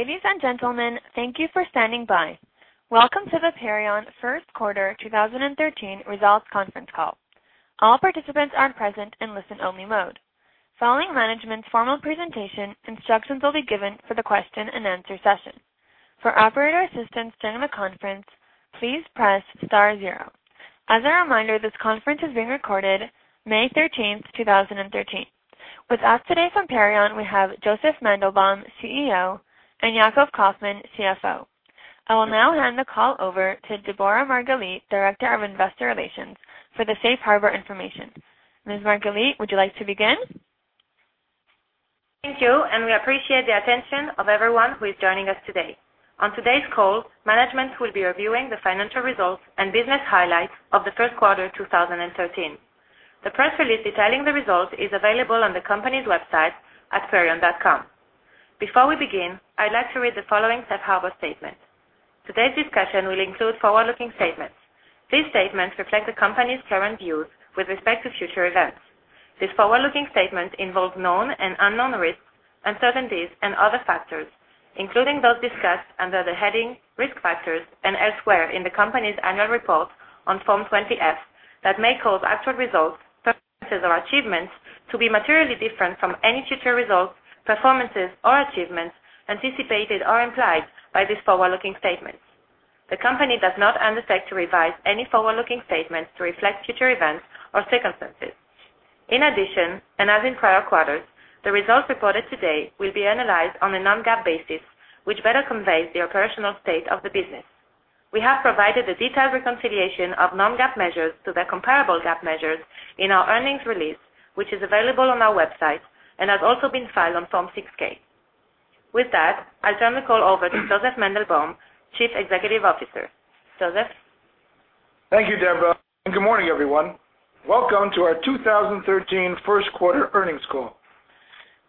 Ladies and gentlemen, thank you for standing by. Welcome to the Perion first quarter 2013 results conference call. All participants are present in listen-only mode. Following management's formal presentation, instructions will be given for the question and answer session. For operator assistance during the conference, please press star zero. As a reminder, this conference is being recorded May 13, 2013. With us today from Perion, we have Josef Mandelbaum, CEO, and Yacov Kaufman, CFO. I will now hand the call over to Deborah Margalit, Director of Investor Relations, for the safe harbor information. Ms. Margalit, would you like to begin? Thank you. We appreciate the attention of everyone who is joining us today. On today's call, management will be reviewing the financial results and business highlights of the first quarter 2013. The press release detailing the results is available on the company's website at perion.com. Before we begin, I'd like to read the following safe harbor statement. Today's discussion will include forward-looking statements. These statements reflect the company's current views with respect to future events. These forward-looking statements involve known and unknown risks, uncertainties, and other factors, including those discussed under the heading Risk Factors and elsewhere in the company's annual report on Form 20-F, that may cause actual results, performances, or achievements to be materially different from any future results, performances, or achievements anticipated or implied by these forward-looking statements. The company does not undertake to revise any forward-looking statements to reflect future events or circumstances. In addition, as in prior quarters, the results reported today will be analyzed on a non-GAAP basis, which better conveys the operational state of the business. We have provided a detailed reconciliation of non-GAAP measures to the comparable GAAP measures in our earnings release, which is available on our website and has also been filed on Form 6-K. With that, I'll turn the call over to Josef Mandelbaum, Chief Executive Officer. Josef? Thank you, Deborah. Good morning, everyone. Welcome to our 2013 first quarter earnings call.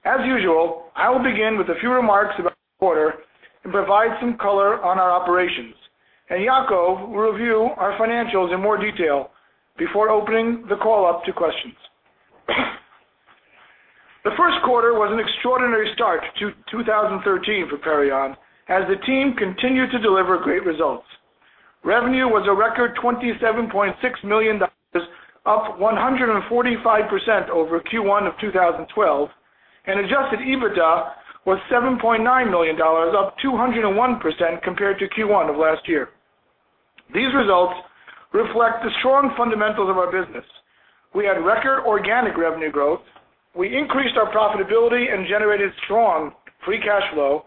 As usual, I will begin with a few remarks about the quarter and provide some color on our operations. Yacov will review our financials in more detail before opening the call up to questions. The first quarter was an extraordinary start to 2013 for Perion, as the team continued to deliver great results. Revenue was a record $27.6 million, up 145% over Q1 of 2012. Adjusted EBITDA was $7.9 million, up 201% compared to Q1 of last year. These results reflect the strong fundamentals of our business. We had record organic revenue growth, we increased our profitability and generated strong free cash flow,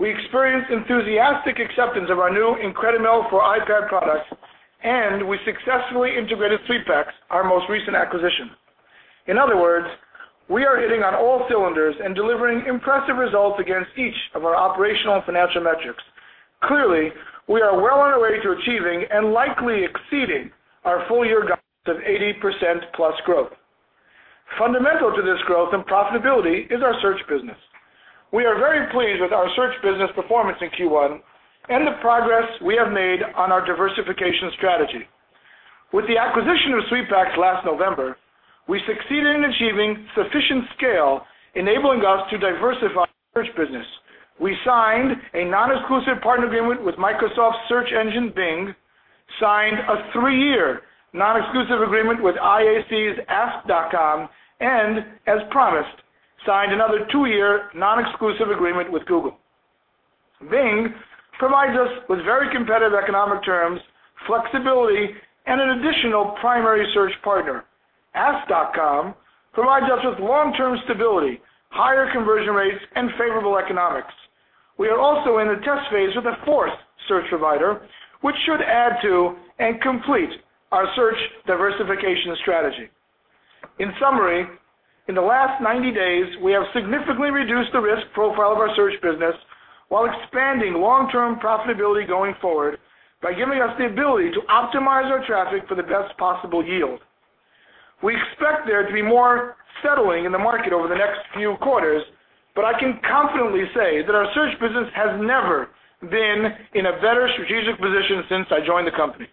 we experienced enthusiastic acceptance of our new IncrediMail for iPad products, and we successfully integrated SweetPacks, our most recent acquisition. In other words, we are hitting on all cylinders and delivering impressive results against each of our operational and financial metrics. Clearly, we are well on our way to achieving and likely exceeding our full-year guidance of 80%-plus growth. Fundamental to this growth and profitability is our search business. We are very pleased with our search business performance in Q1 and the progress we have made on our diversification strategy. With the acquisition of SweetPacks last November, we succeeded in achieving sufficient scale, enabling us to diversify our search business. We signed a non-exclusive partner agreement with Microsoft's search engine Bing, signed a 3-year non-exclusive agreement with IAC's Ask.com, and as promised, signed another 2-year non-exclusive agreement with Google. Bing provides us with very competitive economic terms, flexibility, and an additional primary search partner. Ask.com provides us with long-term stability, higher conversion rates, and favorable economics. We are also in the test phase with a fourth search provider, which should add to and complete our search diversification strategy. In summary, in the last 90 days, we have significantly reduced the risk profile of our search business while expanding long-term profitability going forward by giving us the ability to optimize our traffic for the best possible yield. We expect there to be more settling in the market over the next few quarters, but I can confidently say that our search business has never been in a better strategic position since I joined the company.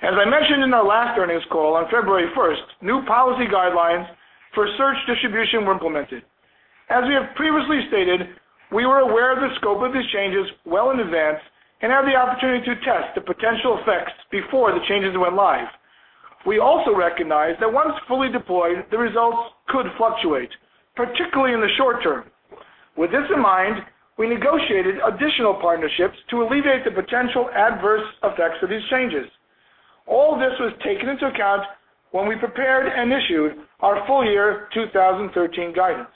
As I mentioned in our last earnings call on February 1st, new policy guidelines for search distribution were implemented. As we have previously stated, we were aware of the scope of these changes well in advance and had the opportunity to test the potential effects before the changes went live. We also recognized that once fully deployed, the results could fluctuate, particularly in the short term. With this in mind, we negotiated additional partnerships to alleviate the potential adverse effects of these changes. All this was taken into account when we prepared and issued our full-year 2013 guidance.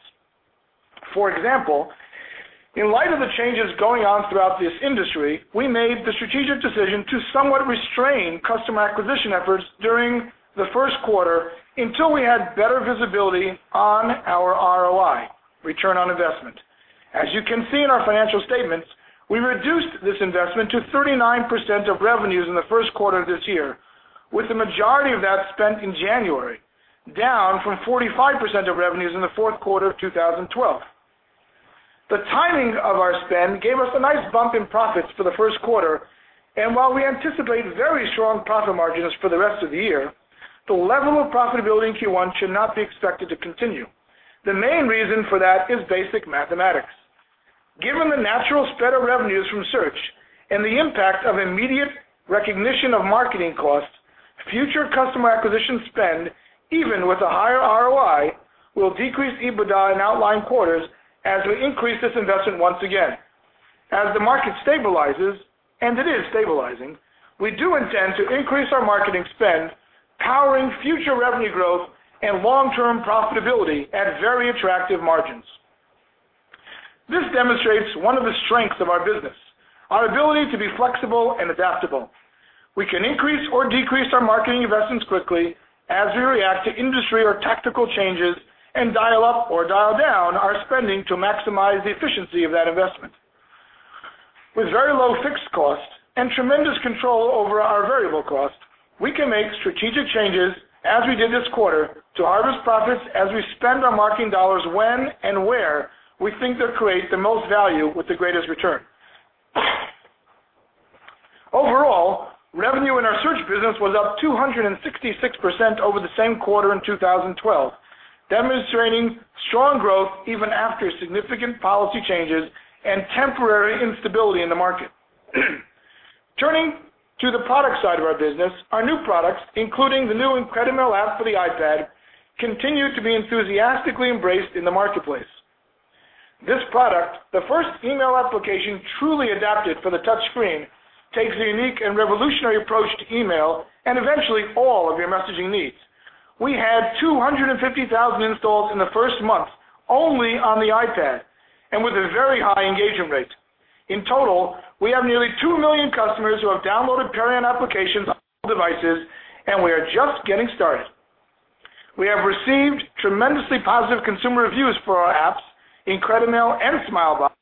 For example, in light of the changes going on throughout this industry, we made the strategic decision to somewhat restrain customer acquisition efforts during the first quarter until we had better visibility on our ROI, return on investment. As you can see in our financial statements, we reduced this investment to 39% of revenues in the first quarter of this year, with the majority of that spent in January, down from 45% of revenues in the fourth quarter of 2012. The timing of our spend gave us a nice bump in profits for the first quarter, and while we anticipate very strong profit margins for the rest of the year. The level of profitability in Q1 should not be expected to continue. The main reason for that is basic mathematics. Given the natural spread of revenues from search and the impact of immediate recognition of marketing costs, future customer acquisition spend, even with a higher ROI, will decrease EBITDA in outlying quarters as we increase this investment once again. As the market stabilizes, and it is stabilizing, we do intend to increase our marketing spend, powering future revenue growth and long-term profitability at very attractive margins. This demonstrates one of the strengths of our business, our ability to be flexible and adaptable. We can increase or decrease our marketing investments quickly as we react to industry or tactical changes and dial up or dial down our spending to maximize the efficiency of that investment. With very low fixed costs and tremendous control over our variable costs, we can make strategic changes as we did this quarter to harvest profits as we spend our marketing dollars when and where we think they create the most value with the greatest return. Overall, revenue in our search business was up 266% over the same quarter in 2012, demonstrating strong growth even after significant policy changes and temporary instability in the market. Turning to the product side of our business, our new products, including the new IncrediMail app for the iPad, continue to be enthusiastically embraced in the marketplace. This product, the first email application truly adapted for the touch screen, takes a unique and revolutionary approach to email and eventually all of your messaging needs. We had 250,000 installs in the first month only on the iPad and with a very high engagement rate. In total, we have nearly two million customers who have downloaded Perion applications on mobile devices, and we are just getting started. We have received tremendously positive consumer reviews for our apps, IncrediMail and Smilebox,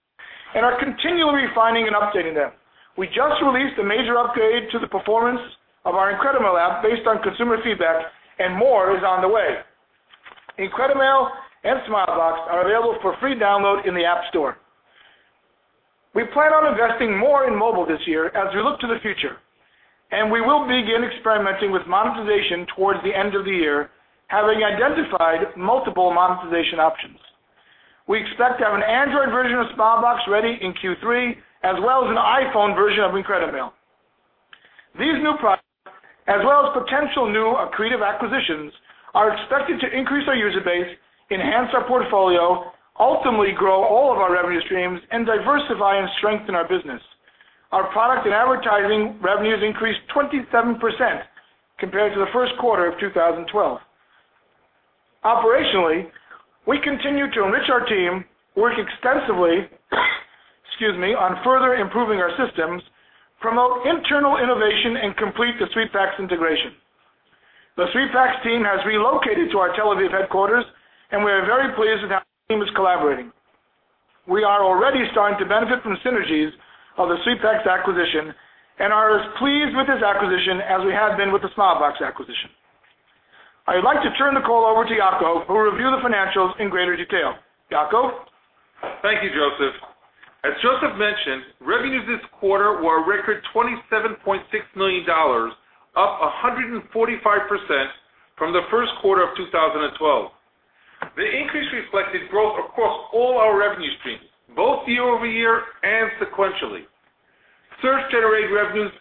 and are continually refining and updating them. We just released a major upgrade to the performance of our IncrediMail app based on consumer feedback, and more is on the way. IncrediMail and Smilebox are available for free download in the App Store. We plan on investing more in mobile this year as we look to the future, we will begin experimenting with monetization towards the end of the year, having identified multiple monetization options. We expect to have an Android version of Smilebox ready in Q3, as well as an iPhone version of IncrediMail. These new products, as well as potential new accretive acquisitions, are expected to increase our user base, enhance our portfolio, ultimately grow all of our revenue streams, and diversify and strengthen our business. Our product and advertising revenues increased 27% compared to the first quarter of 2012. Operationally, we continue to enrich our team, work extensively excuse me, on further improving our systems, promote internal innovation, and complete the SweetPacks integration. The SweetPacks team has relocated to our Tel Aviv headquarters, and we are very pleased with how the team is collaborating. We are already starting to benefit from synergies of the SweetPacks acquisition and are as pleased with this acquisition as we have been with the Smilebox acquisition. I'd like to turn the call over to Yacov who will review the financials in greater detail. Yacov. Thank you, Josef. As Josef mentioned, revenues this quarter were a record $27.6 million, up 145% from the first quarter of 2012. The increase reflected growth across all our revenue streams, both year-over-year and sequentially. Search-generated revenues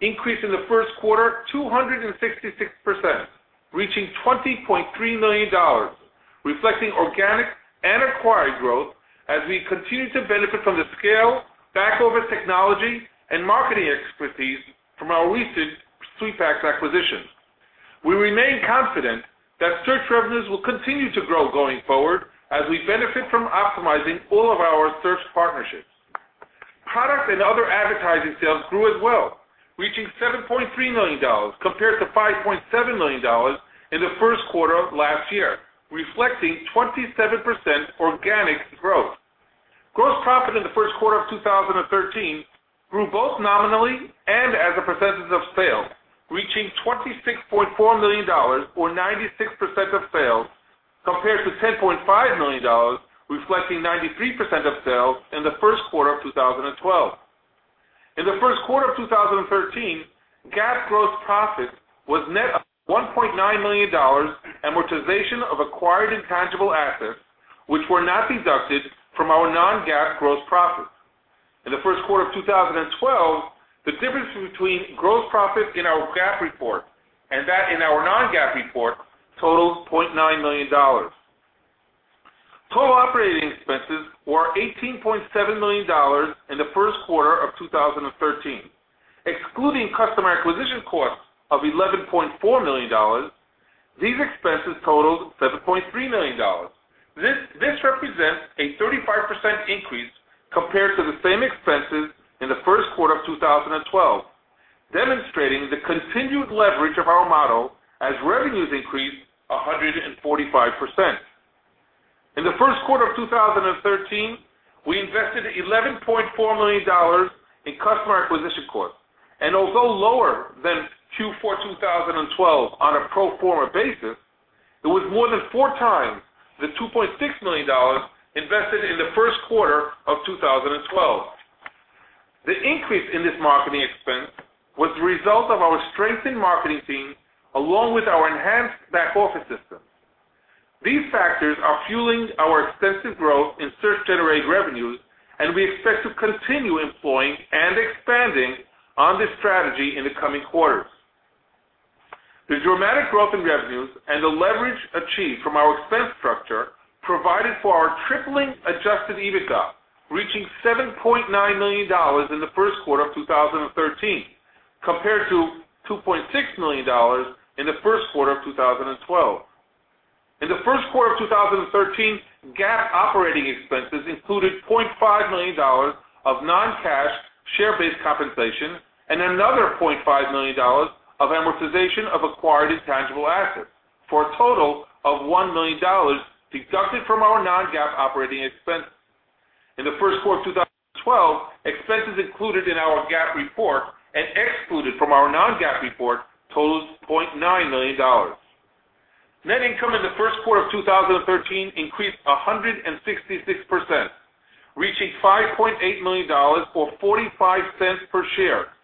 increased in the first quarter 266%, reaching $20.3 million, reflecting organic and acquired growth as we continue to benefit from the scale, back-office technology, and marketing expertise from our recent SweetPacks acquisition. We remain confident that search revenues will continue to grow going forward as we benefit from optimizing all of our search partnerships. Product and other advertising sales grew as well, reaching $7.3 million compared to $5.7 million in the first quarter of last year, reflecting 27% organic growth. Gross profit in the first quarter of 2013 grew both nominally and as a percentage of sales, reaching $26.4 million or 96% of sales, compared to $10.5 million, reflecting 93% of sales in the first quarter of 2012. In the first quarter of 2013, GAAP gross profit was net $1.9 million, amortization of acquired intangible assets, which were not deducted from our non-GAAP gross profit. In the first quarter of 2012, the difference between gross profit in our GAAP report and that in our non-GAAP report totals $0.9 million. Total operating expenses were $18.7 million in the first quarter of 2013. Excluding customer acquisition costs of $11.4 million, these expenses totaled $7.3 million. This represents a 35% increase compared to the same expenses in the first quarter of 2012, demonstrating the continued leverage of our model as revenues increased 145%. In the first quarter of 2013, we invested $11.4 million in customer acquisition costs. Although lower than Q4 2012 on a pro forma basis, it was more than four times the $2.6 million invested in the first quarter of 2012. The increase in this marketing expense was the result of our strengthened marketing team along with our enhanced back-office system. These factors are fueling our extensive growth in search-generated revenues. We expect to continue employing and expanding on this strategy in the coming quarters. The dramatic growth in revenues and the leverage achieved from our expense structure provided for our tripling adjusted EBITDA, reaching $7.9 million in the first quarter of 2013, compared to $2.6 million in the first quarter of 2012. In the first quarter of 2013, GAAP operating expenses included $0.5 million of non-cash share-based compensation and another $0.5 million of amortization of acquired intangible assets for a total of $1 million deducted from our non-GAAP operating expenses. In the first quarter of 2012, expenses included in our GAAP report and excluded from our non-GAAP report totals $0.9 million. Net income in the first quarter of 2013 increased 166%, reaching $5.8 million, or $0.45 per share,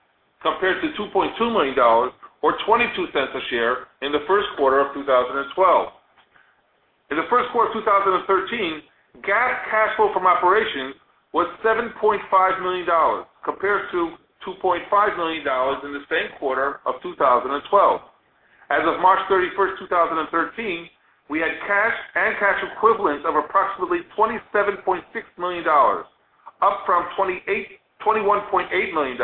compared to $2.2 million or $0.22 a share in the first quarter of 2012. In the first quarter of 2013, GAAP cash flow from operations was $7.5 million, compared to $2.5 million in the same quarter of 2012. As of March 31st, 2013, we had cash and cash equivalents of approximately $27.6 million, up from $21.8 million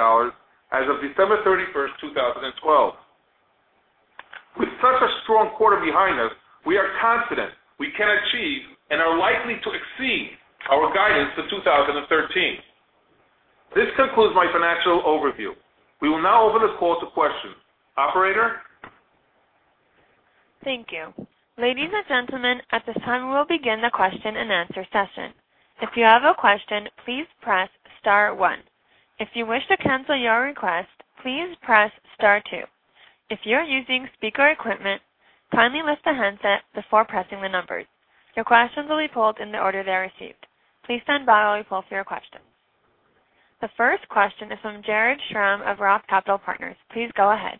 as of December 31st, 2012. With such a strong quarter behind us, we are confident we can achieve and are likely to exceed our guidance for 2013. This concludes my financial overview. We will now open this call to questions. Operator? Thank you. Ladies and gentlemen, at this time, we will begin the question-and-answer session. If you have a question, please press star one. If you wish to cancel your request, please press star two. If you're using speaker equipment, kindly lift the handset before pressing the numbers. Your questions will be pulled in the order they are received. Please stand by while we pull for your questions. The first question is from Jared Schramm of Roth Capital Partners. Please go ahead.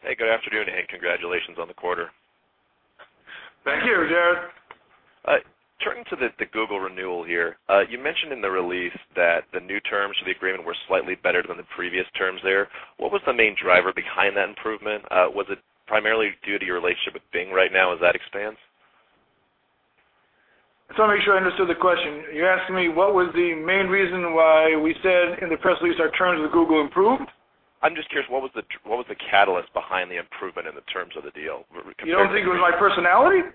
Hey, good afternoon, and congratulations on the quarter. Thank you, Jared. Turning to the Google renewal here, you mentioned in the release that the new terms of the agreement were slightly better than the previous terms there. What was the main driver behind that improvement? Was it primarily due to your relationship with Bing right now as that expands? Just want to make sure I understood the question. You're asking me what was the main reason why we said in the press release our terms with Google improved? I'm just curious, what was the catalyst behind the improvement in the terms of the deal compared to. You don't think it was my personality?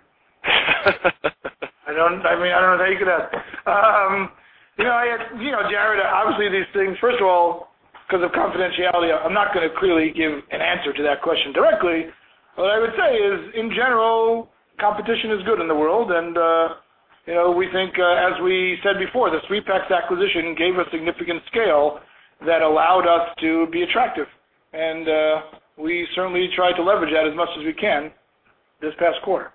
I mean, I don't know how you could ask. Jared, obviously these things, first of all, because of confidentiality, I'm not going to clearly give an answer to that question directly. What I would say is, in general, competition is good in the world, and we think, as we said before, the SweetPacks acquisition gave us significant scale that allowed us to be attractive, and we certainly tried to leverage that as much as we can this past quarter.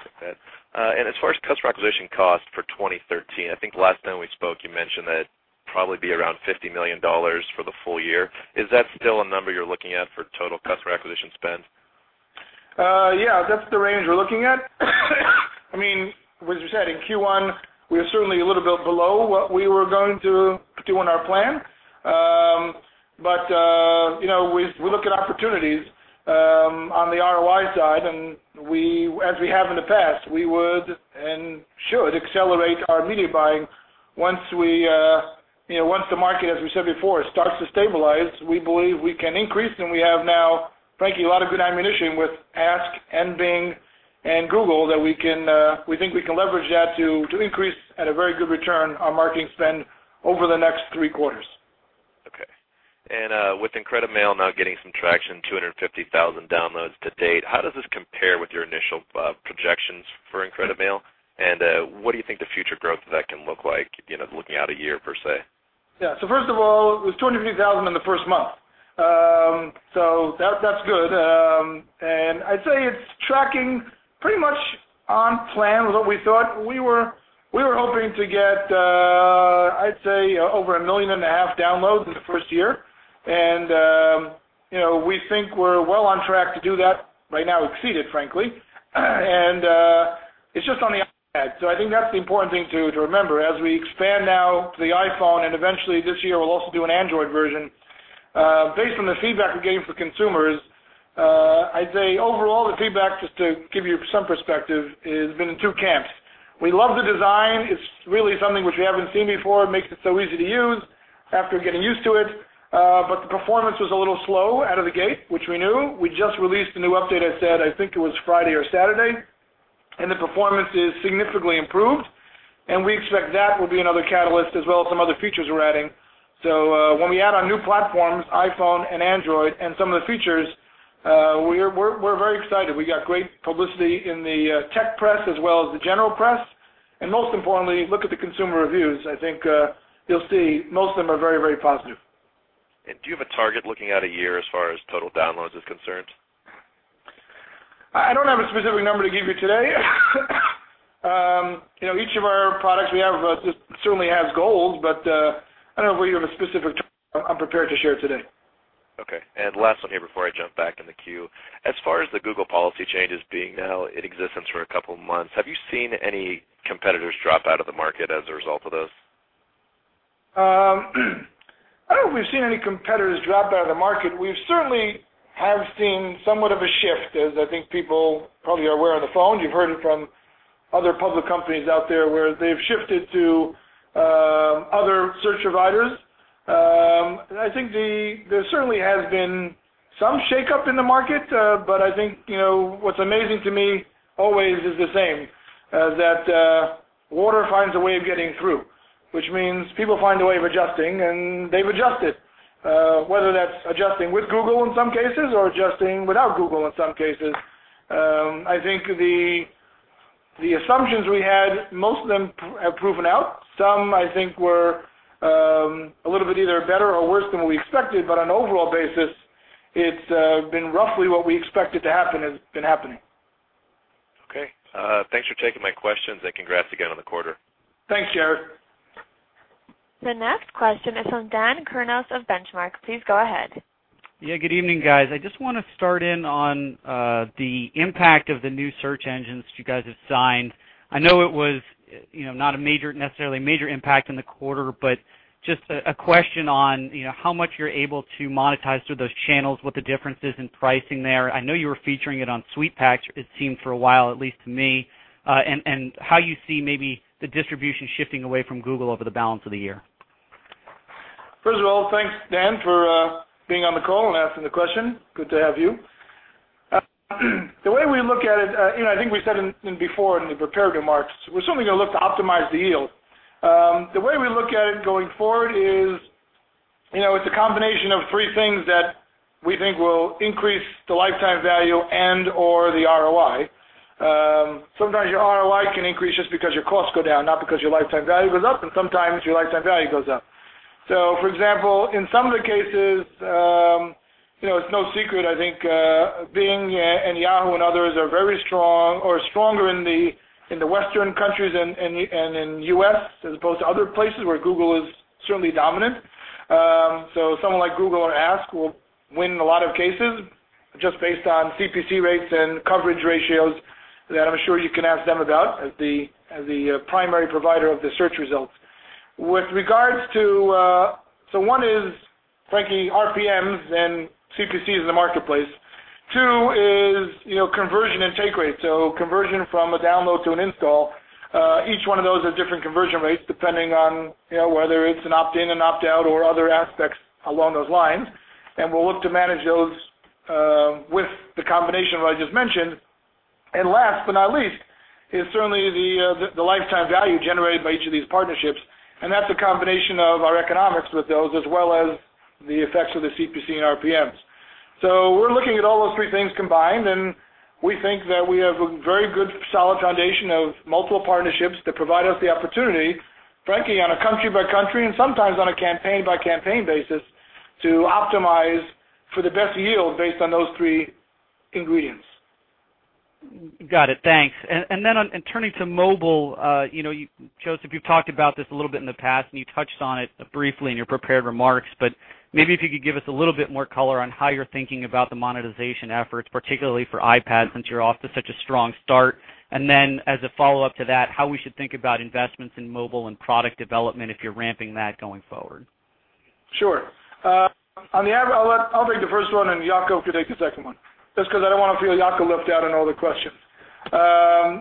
As far as customer acquisition cost for 2013, I think last time we spoke you mentioned that it'd probably be around $50 million for the full year. Is that still a number you're looking at for total customer acquisition spend? Yeah, that's the range we're looking at. As you said, in Q1, we were certainly a little bit below what we were going to do on our plan. We look at opportunities on the ROI side. As we have in the past, we would and should accelerate our media buying once the market, as we said before, starts to stabilize. We believe we can increase, and we have now, frankly, a lot of good ammunition with Ask.com and Bing and Google that we think we can leverage that to increase, at a very good return, our marketing spend over the next three quarters. With IncrediMail now getting some traction, 250,000 downloads to date, how does this compare with your initial projections for IncrediMail, and what do you think the future growth of that can look like, looking out a year per se? Yeah. First of all, it was 250,000 in the first month. That's good. I'd say it's tracking pretty much on plan with what we thought. We were hoping to get, I'd say, over a million and a half downloads in the first year. We think we're well on track to do that right now, exceed it, frankly. It's just on the iPad. I think that's the important thing to remember. As we expand now to the iPhone, and eventually this year we'll also do an Android version, based on the feedback we're getting from consumers, I'd say overall, the feedback, just to give you some perspective, has been in two camps. We love the design. It's really something which we haven't seen before. It makes it so easy to use after getting used to it. The performance was a little slow out of the gate, which we knew. We just released a new update, I said, I think it was Friday or Saturday, the performance is significantly improved, and we expect that will be another catalyst as well as some other features we're adding. When we add on new platforms, iPhone and Android, and some of the features, we're very excited. We got great publicity in the tech press as well as the general press. Most importantly, look at the consumer reviews. I think you'll see most of them are very positive. Do you have a target looking out a year as far as total downloads is concerned? I don't have a specific number to give you today. Each of our products we have certainly has goals, but I don't know if we have a specific I'm prepared to share today. Okay. Last one here before I jump back in the queue. As far as the Google policy changes being now in existence for a couple of months, have you seen any competitors drop out of the market as a result of this? I don't know if we've seen any competitors drop out of the market. We certainly have seen somewhat of a shift, as I think people probably are aware on the phone. You've heard it from other public companies out there where they've shifted to other search providers. I think there certainly has been some shakeup in the market, but I think, what's amazing to me always is the same, that water finds a way of getting through, which means people find a way of adjusting, and they've adjusted. Whether that's adjusting with Google in some cases or adjusting without Google in some cases. I think the assumptions we had, most of them have proven out. Some I think were a little bit either better or worse than what we expected, but on an overall basis, it's been roughly what we expected to happen has been happening. Okay. Thanks for taking my questions and congrats again on the quarter. Thanks, Jared. The next question is from Dan Kurnos of Benchmark. Please go ahead. Yeah, good evening, guys. I just want to start in on the impact of the new search engines that you guys have signed. I know it was not necessarily a major impact in the quarter, but just a question on how much you're able to monetize through those channels, what the difference is in pricing there. I know you were featuring it on SweetPacks, it seemed for a while, at least to me. How you see maybe the distribution shifting away from Google over the balance of the year. First of all, thanks, Dan, for being on the call and asking the question. Good to have you. The way we look at it, I think we said it before in the prepared remarks, we're certainly going to look to optimize the yield. The way we look at it going forward is, it's a combination of three things that we think will increase the lifetime value and/or the ROI. Sometimes your ROI can increase just because your costs go down, not because your lifetime value goes up, and sometimes your lifetime value goes up. For example, in some of the cases, it's no secret, I think, Bing and Yahoo and others are very strong or stronger in the Western countries and in the U.S., as opposed to other places where Google is certainly dominant. Someone like Google or Ask.com will win a lot of cases just based on CPC rates and coverage ratios that I'm sure you can ask them about as the primary provider of the search results. One is, frankly, RPMs and CPCs in the marketplace. Two is conversion and take rate. Conversion from a download to an install. Each one of those has different conversion rates depending on whether it's an opt-in, an opt-out, or other aspects along those lines. We'll look to manage those with the combination of what I just mentioned. Last but not least, is certainly the lifetime value generated by each of these partnerships, and that's a combination of our economics with those, as well as the effects of the CPC and RPMs. We're looking at all those three things combined, and we think that we have a very good, solid foundation of multiple partnerships that provide us the opportunity, frankly, on a country-by-country and sometimes on a campaign-by-campaign basis, to optimize for the best yield based on those three ingredients. Got it. Thanks. Turning to mobile, Josef, you've talked about this a little bit in the past, and you touched on it briefly in your prepared remarks, but maybe if you could give us a little bit more color on how you're thinking about the monetization efforts, particularly for iPad, since you're off to such a strong start. As a follow-up to that, how we should think about investments in mobile and product development if you're ramping that going forward. Sure. I'll take the first one and Yacov could take the second one, just because I don't want to feel Yacov left out in all the questions.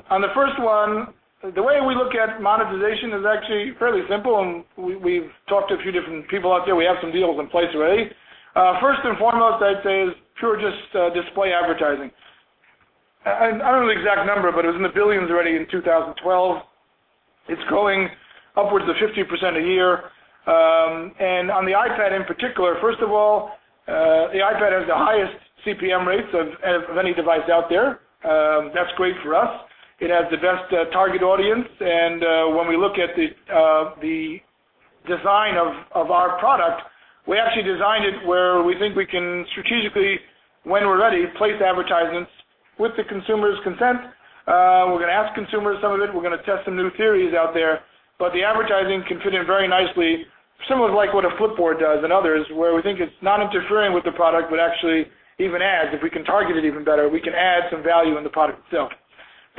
On the first one, the way we look at monetization is actually fairly simple. We've talked to a few different people out there. We have some deals in place already. First and foremost, I'd say, is pure just display advertising. I don't know the exact number, but it was in the billions already in 2012. It's growing upwards of 50% a year. On the iPad in particular, first of all, the iPad has the highest CPM rates of any device out there. That's great for us. It has the best target audience, and when we look at the design of our product, we actually designed it where we think we can strategically, when we're ready, place advertisements with the consumer's consent. We're going to ask consumers some of it. We're going to test some new theories out there. The advertising can fit in very nicely, similar to what a Flipboard does and others, where we think it's not interfering with the product, but actually even adds. If we can target it even better, we can add some value in the product itself.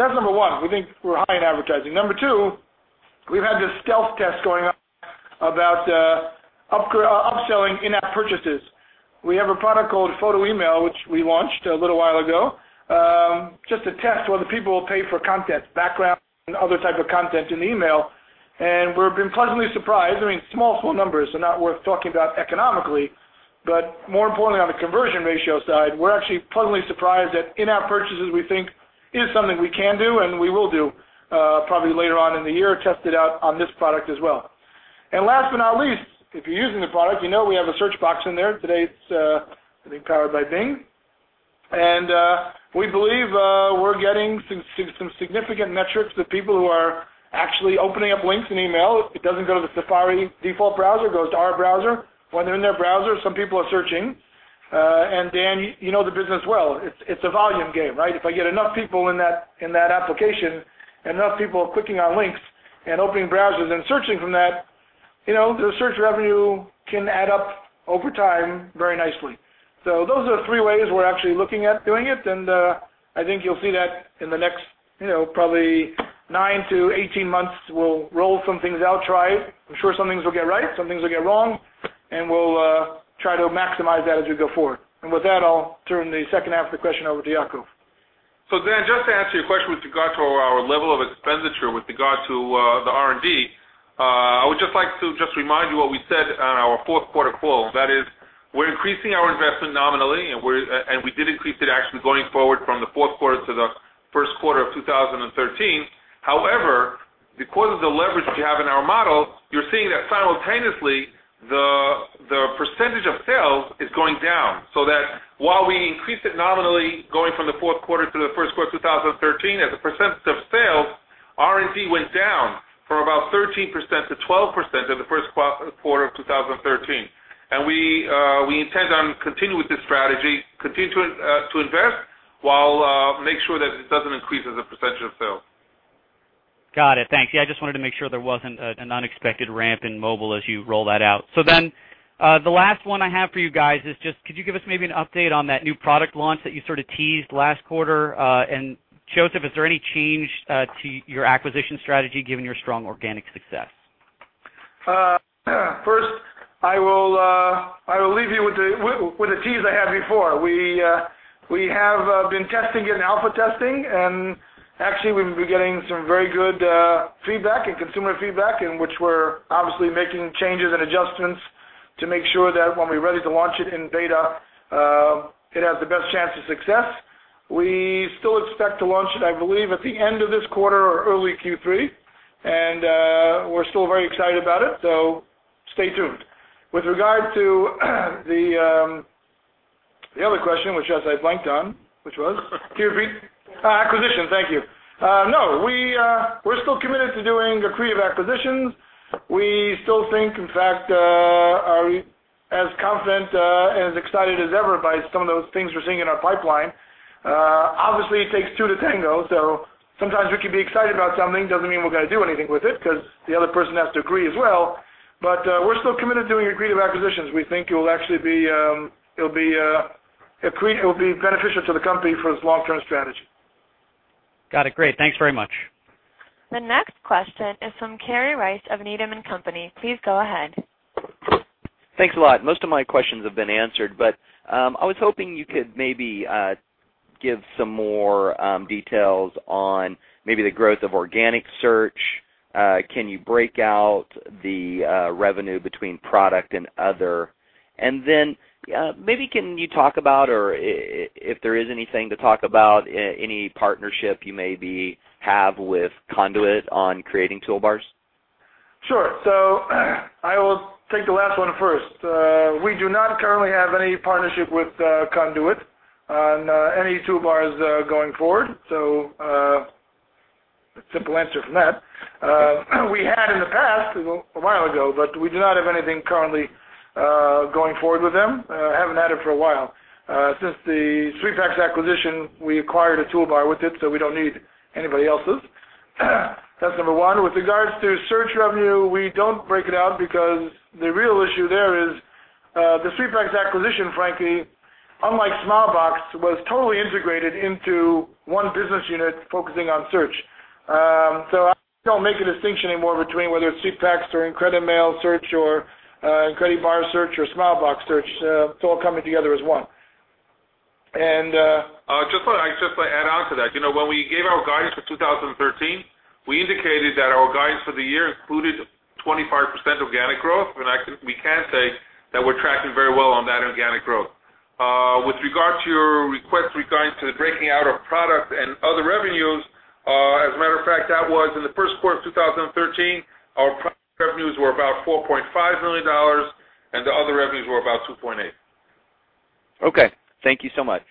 That's number one. We think we're high in advertising. Number two, we've had this stealth test going on about upselling in-app purchases. We have a product called Photo Email, which we launched a little while ago. Just a test whether people will pay for content, background, and other type of content in the email. We've been pleasantly surprised. I mean, small numbers are not worth talking about economically, but more importantly, on the conversion ratio side, we're actually pleasantly surprised that in-app purchases, we think, is something we can do and we will do probably later on in the year, test it out on this product as well. Last but not least, if you're using the product, you know we have a search box in there. Today, it's I think powered by Bing. We're getting some significant metrics of people who are actually opening up links in email. It doesn't go to the Safari default browser, it goes to our browser. When they're in their browser, some people are searching. Dan, you know the business well. It's a volume game, right? If I get enough people in that application and enough people clicking on links and opening browsers and searching from that, the search revenue can add up over time very nicely. Those are the three ways we're actually looking at doing it, and I think you'll see that in the next probably 18 months, we'll roll some things out, try it. I'm sure some things will get right, some things will get wrong, and we'll try to maximize that as we go forward. With that, I'll turn the second half of the question over to Yacov. Dan, just to answer your question with regard to our level of expenditure with regard to the R&D. I would just like to remind you what we said on our fourth quarter call. That is, we're increasing our investment nominally, and we did increase it actually going forward from the fourth quarter to the first quarter of 2013. However, because of the leverage we have in our model, you're seeing that simultaneously, the percentage of sales is going down. That while we increased it nominally going from the fourth quarter to the first quarter of 2013, as a percentage of sales, R&D went down from about 13% to 12% in the first quarter of 2013. We intend on continuing with this strategy, continue to invest while make sure that it doesn't increase as a percentage of sales. Got it. Thanks. I just wanted to make sure there wasn't an unexpected ramp in mobile as you roll that out. The last one I have for you guys is just, could you give us maybe an update on that new product launch that you sort of teased last quarter? Josef, is there any change to your acquisition strategy given your strong organic success? First, I will leave you with the tease I had before. We have been testing it in alpha testing, actually, we've been getting some very good feedback and consumer feedback in which we're obviously making changes and adjustments to make sure that when we're ready to launch it in beta, it has the best chance of success. We still expect to launch it, I believe, at the end of this quarter or early Q3, and we're still very excited about it. Stay tuned. With regard to the other question, which, yes, I blanked on, which was? Q3. Acquisition. Thank you. We're still committed to doing accretive acquisitions. We still think, in fact, are as confident and as excited as ever by some of those things we're seeing in our pipeline. Obviously, it takes two to tango, sometimes we could be excited about something, doesn't mean we're going to do anything with it because the other person has to agree as well. We're still committed to doing accretive acquisitions. We think it will be beneficial to the company for its long-term strategy. Got it. Great. Thanks very much. The next question is from Kerry Rice of Needham & Company. Please go ahead. Thanks a lot. Most of my questions have been answered, I was hoping you could maybe give some more details on maybe the growth of organic search. Can you break out the revenue between product and other? Maybe can you talk about, or if there is anything to talk about, any partnership you maybe have with Conduit on creating toolbars? Sure. I will take the last one first. We do not currently have any partnership with Conduit on any toolbars going forward. A simple answer from that. We had in the past, a while ago, but we do not have anything currently going forward with them. Haven't had it for a while. Since the SweetPacks acquisition, we acquired a toolbar with it, so we don't need anybody else's. That's number one. With regards to search revenue, we don't break it out because the real issue there is, the SweetPacks acquisition, frankly, unlike Smilebox, was totally integrated into one business unit focusing on search. I don't make a distinction anymore between whether it's SweetPacks or IncrediMail search or IncrediBar search or Smilebox search. It's all coming together as one. Just to add on to that, when we gave our guidance for 2013, we indicated that our guidance for the year included 25% organic growth, and we can say that we're tracking very well on that organic growth. With regard to your request regarding to the breaking out of product and other revenues, as a matter of fact, that was in the first quarter of 2013, our product revenues were about $4.5 million, and the other revenues were about $2.8 million. Okay. Thank you so much.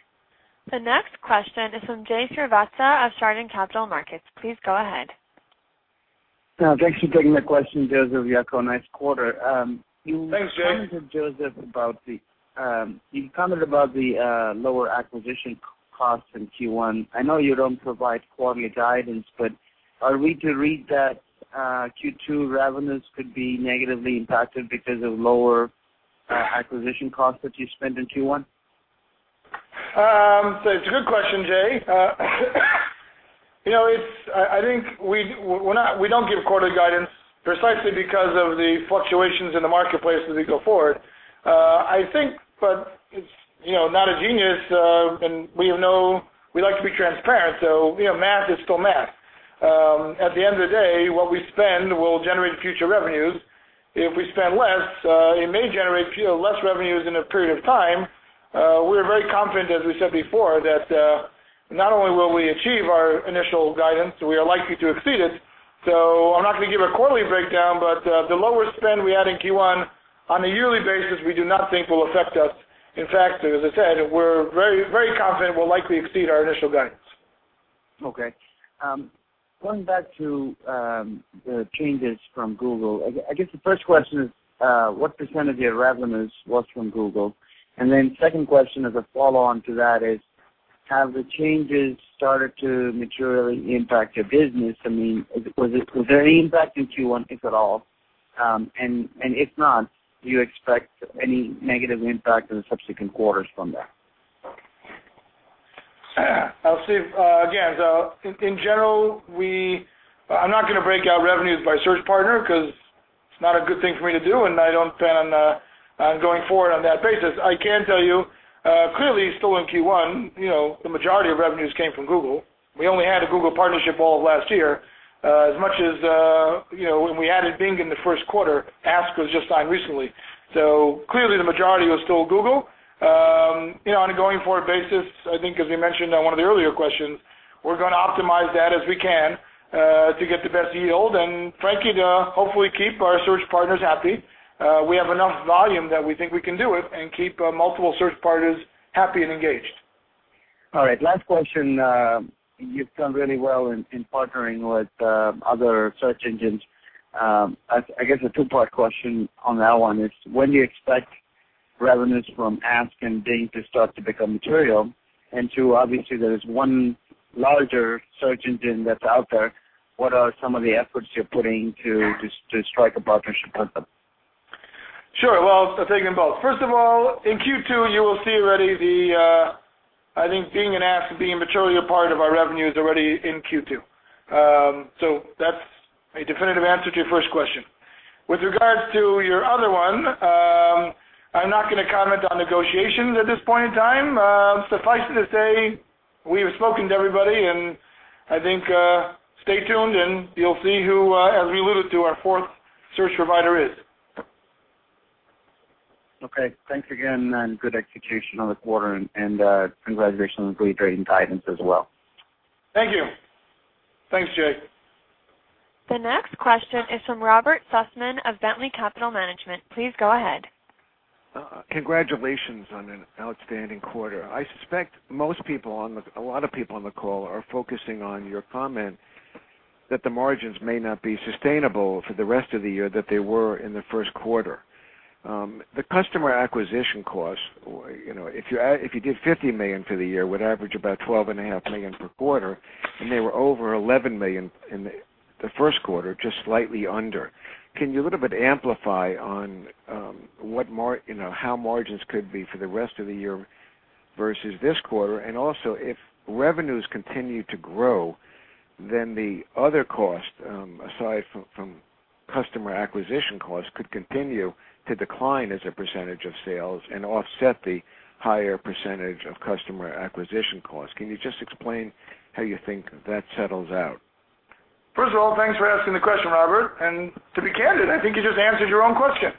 The next question is from Jay Srivatsa of Chardan Capital Markets. Please go ahead. Thanks for taking the question, Josef, Yacov. Nice quarter. Thanks, Jay. You commented, Josef, about the lower acquisition costs in Q1. I know you don't provide quarterly guidance, are we to read that Q2 revenues could be negatively impacted because of lower acquisition costs that you spent in Q1? It's a good question, Jay. We don't give quarterly guidance precisely because of the fluctuations in the marketplace as we go forward. I think, but it's not a genius, and we like to be transparent, so math is still math. At the end of the day, what we spend will generate future revenues. If we spend less, it may generate less revenues in a period of time. We're very confident, as we said before, that not only will we achieve our initial guidance, we are likely to exceed it. I'm not going to give a quarterly breakdown, but the lower spend we had in Q1 on a yearly basis, we do not think will affect us. In fact, as I said, we're very confident we'll likely exceed our initial guidance. Okay. Going back to the changes from Google, I guess the first question is, what % of your revenues was from Google? Second question as a follow-on to that is, have the changes started to materially impact your business? I mean, was there any impact in Q1 if at all? If not, do you expect any negative impact in subsequent quarters from that? Again, in general, I'm not going to break out revenues by search partner because it's not a good thing for me to do, and I don't plan on going forward on that basis. I can tell you, clearly still in Q1, the majority of revenues came from Google. We only had a Google partnership all of last year. As much as when we added Bing in the first quarter, Ask.com was just signed recently. Clearly the majority was still Google. On a going forward basis, I think as we mentioned on one of the earlier questions, we're going to optimize that as we can, to get the best yield and frankly, to hopefully keep our search partners happy. We have enough volume that we think we can do it and keep multiple search partners happy and engaged. All right. Last question. You've done really well in partnering with other search engines. I guess a two-part question on that one is, when do you expect revenues from Ask.com and Bing to start to become material? Two, obviously there is one larger search engine that's out there. What are some of the efforts you're putting to strike a partnership with them? Sure. Well, I'll take them both. First of all, in Q2, you will see already the, I think Bing and Ask.com being a material part of our revenues already in Q2. That's a definitive answer to your first question. With regards to your other one, I'm not going to comment on negotiations at this point in time. Suffice it to say we have spoken to everybody, and I think, stay tuned, and you'll see who, as we alluded to, our fourth search provider is. Okay. Thanks again. Good execution on the quarter. Congratulations on the great guidance as well. Thank you. Thanks, Jay. The next question is from Robert Sussman of Bentley Capital Management. Please go ahead. Congratulations on an outstanding quarter. I suspect a lot of people on the call are focusing on your comment that the margins may not be sustainable for the rest of the year that they were in the first quarter. The customer acquisition cost, if you did $ 50 million for the year, would average about $ 12.5 million per quarter, and they were over $ 11 million in the first quarter, just slightly under. Can you a little bit amplify on how margins could be for the rest of the year versus this quarter? Also, if revenues continue to grow, then the other cost, aside from customer acquisition costs, could continue to decline as a percentage of sales and offset the higher percentage of customer acquisition costs. Can you just explain how you think that settles out? First of all, thanks for asking the question, Robert. To be candid, I think you just answered your own question.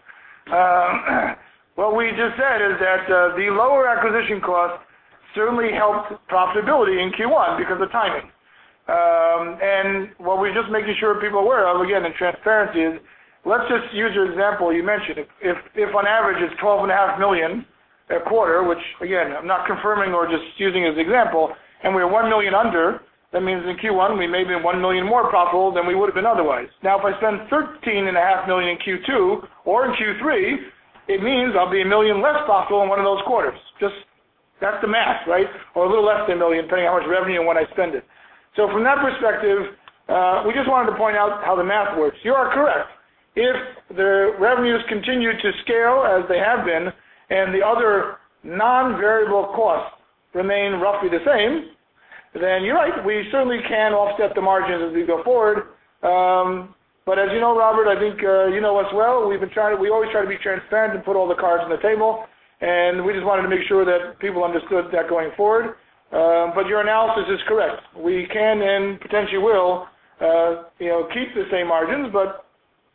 What we just said is that the lower acquisition cost certainly helped profitability in Q1 because of timing. What we're just making sure people are aware of, again, in transparency is, let's just use your example you mentioned. If on average it's $12.5 million a quarter, which again, I'm not confirming or just using as an example, and we are $1 million under, that means in Q1, we may be $1 million more profitable than we would have been otherwise. Now, if I spend $13.5 million in Q2 or in Q3, it means I'll be $1 million less profitable in one of those quarters. That's the math, right? Or a little less than $1 million, depending on how much revenue and when I spend it. From that perspective, we just wanted to point out how the math works. You are correct. If the revenues continue to scale as they have been, the other non-variable costs remain roughly the same, you're right, we certainly can offset the margins as we go forward. As you know, Robert, I think you know us well. We always try to be transparent and put all the cards on the table, we just wanted to make sure that people understood that going forward. Your analysis is correct. We can and potentially will keep the same margins,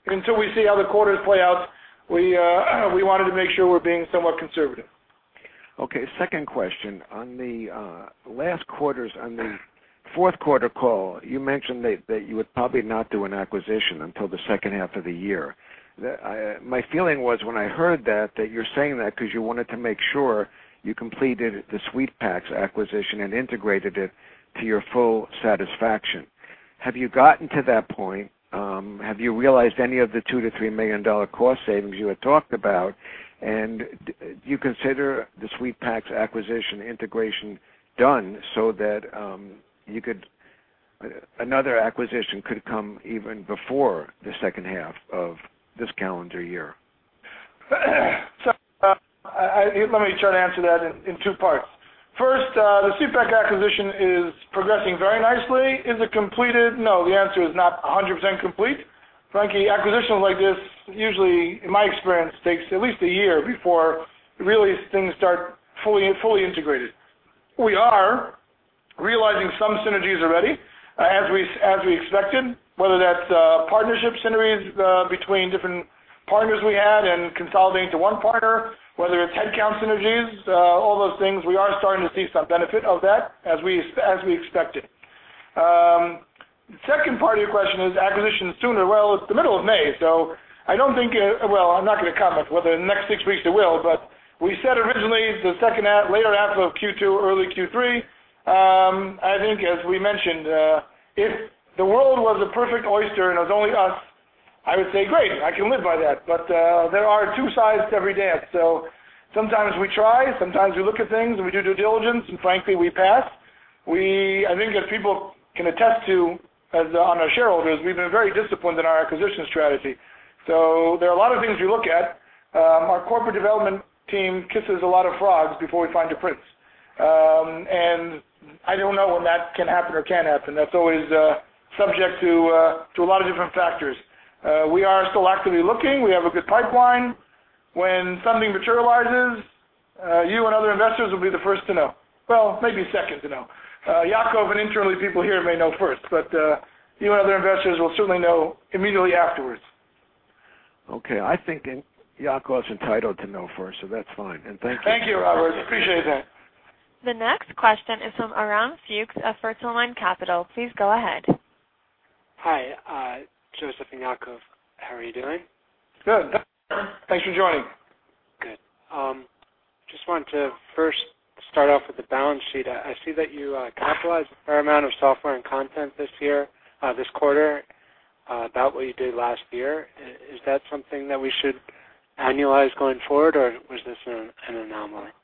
until we see how the quarters play out, we wanted to make sure we're being somewhat conservative. Okay, second question. On the last quarters, on the fourth quarter call, you mentioned that you would probably not do an acquisition until the second half of the year. My feeling was when I heard that you're saying that because you wanted to make sure you completed the SweetPacks acquisition and integrated it to your full satisfaction. Have you gotten to that point? Have you realized any of the $2 million to $3 million cost savings you had talked about? Do you consider the SweetPacks acquisition integration done, that another acquisition could come even before the second half of this calendar year? Let me try to answer that in two parts. First, the SweetPacks acquisition is progressing very nicely. Is it completed? No, the answer is not 100% complete. Frankly, acquisitions like this usually, in my experience, takes at least one year before really things start fully integrated. We are realizing some synergies already, as we expected, whether Partnership synergies between different partners we had and consolidating to one partner, whether it's headcount synergies, all those things, we are starting to see some benefit of that as we expected. Second part of your question is acquisitions sooner. It's the middle of May, I'm not going to comment whether the next six weeks there will. We said originally the second half, later half of Q2 or early Q3. I think as we mentioned, if the world was a perfect oyster and it was only us, I would say, "Great, I can live by that." There are two sides to every dance. Sometimes we try, sometimes we look at things and we do due diligence, and frankly, we pass. I think if people can attest to, as on our shareholders, we've been very disciplined in our acquisition strategy. There are a lot of things we look at. Our corporate development team kisses a lot of frogs before we find a prince. I don't know when that can happen or can't happen. That's always subject to a lot of different factors. We are still actively looking. We have a good pipeline. When something materializes, you and other investors will be the first to know. Well, maybe second to know. Yacov and internally people here may know first, but you and other investors will certainly know immediately afterwards. Okay, I think Yacov is entitled to know first, so that's fine. Thank you. Thank you, Robert. Appreciate that. The next question is from Aram Fuchs of Fertilemind Capital. Please go ahead. Hi, Josef and Yacov. How are you doing? Good. Thanks for joining. Good. Just wanted to first start off with the balance sheet. I see that you capitalized a fair amount of software and content this quarter, about what you did last year. Is that something that we should annualize going forward, or was this an anomaly?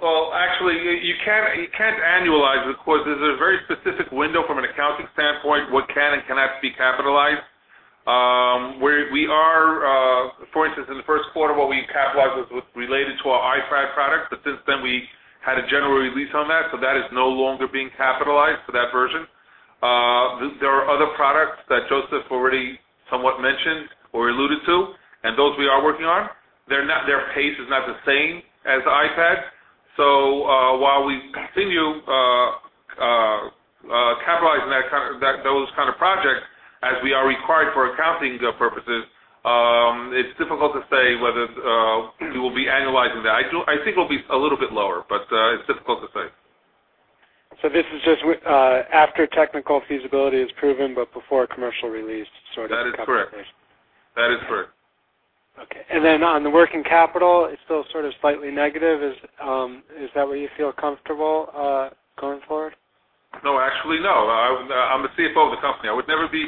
Well, actually, you can't annualize because there's a very specific window from an accounting standpoint, what can and cannot be capitalized. For instance, in the first quarter, what we capitalized was related to our iPad product, but since then we had a general release on that, so that is no longer being capitalized for that version. There are other products that Josef already somewhat mentioned or alluded to, and those we are working on. Their pace is not the same as the iPad. While we continue capitalizing those kind of projects as we are required for accounting purposes, it's difficult to say whether we will be annualizing that. I think it'll be a little bit lower, but it's difficult to say. This is just after technical feasibility is proven, but before a commercial release sort of capitalization. That is correct. Okay. On the working capital, it's still sort of slightly negative. Is that where you feel comfortable going forward? No, actually, no. I'm the CFO of the company. I would never be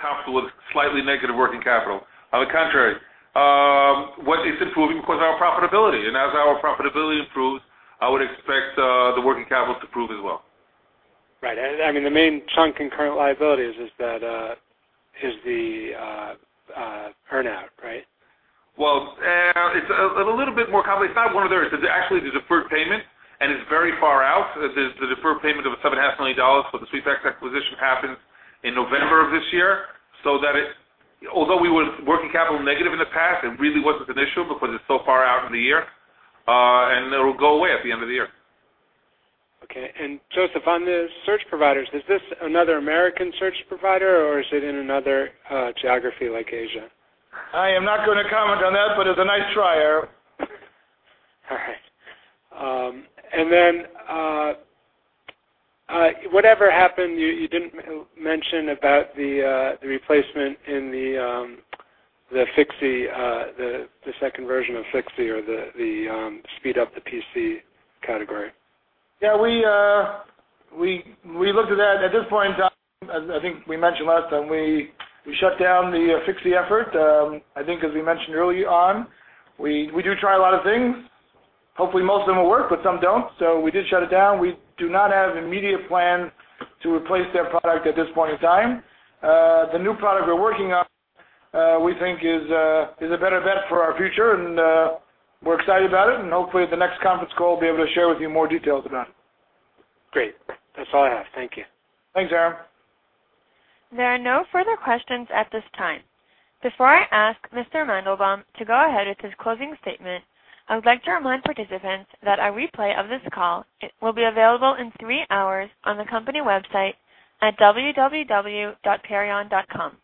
comfortable with slightly negative working capital. On the contrary. It's improving because our profitability, and as our profitability improves, I would expect the working capital to improve as well. Right. The main chunk in current liabilities is the earn-out, right? Well, it's a little bit more complex. It's not one or the other. It's actually the deferred payment, and it's very far out. There's the deferred payment of $7.5 million for the SweetPacks acquisition happened in November of this year. Although we were working capital negative in the past, it really wasn't an issue because it's so far out in the year. It'll go away at the end of the year. Okay. Josef, on the search providers, is this another American search provider or is it in another geography like Asia? I am not going to comment on that, but it's a nice try, Aram. Then, whatever happened, you didn't mention about the replacement in the second version of Fixie or the speed up the PC category? Yeah, we looked at that. At this point in time, I think we mentioned last time we shut down the Fixie effort. I think as we mentioned early on, we do try a lot of things. Hopefully, most of them will work, but some don't. We did shut it down. We do not have immediate plan to replace that product at this point in time. The new product we're working on we think is a better bet for our future, and we're excited about it, and hopefully at the next conference call, we'll be able to share with you more details about it. Great. That's all I have. Thank you. Thanks, Aram. There are no further questions at this time. Before I ask Mr. Mandelbaum to go ahead with his closing statement, I would like to remind participants that a replay of this call will be available in three hours on the company website at www.perion.com.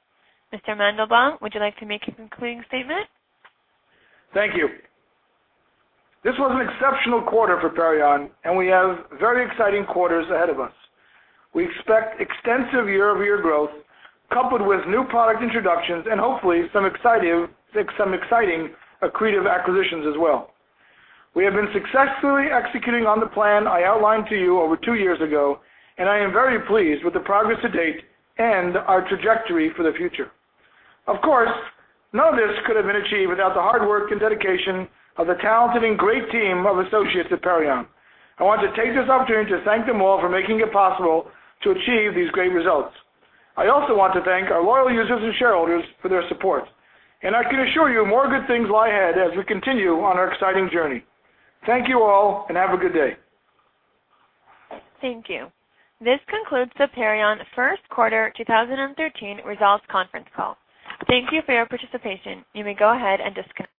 Mr. Mandelbaum, would you like to make your concluding statement? Thank you. This was an exceptional quarter for Perion, and we have very exciting quarters ahead of us. We expect extensive year-over-year growth coupled with new product introductions and hopefully some exciting accretive acquisitions as well. We have been successfully executing on the plan I outlined to you over two years ago, and I am very pleased with the progress to date and our trajectory for the future. Of course, none of this could have been achieved without the hard work and dedication of the talented and great team of associates at Perion. I want to take this opportunity to thank them all for making it possible to achieve these great results. I also want to thank our loyal users and shareholders for their support, and I can assure you more good things lie ahead as we continue on our exciting journey. Thank you all, and have a good day. Thank you. This concludes the Perion first quarter 2013 results conference call. Thank you for your participation. You may go ahead and disconnect.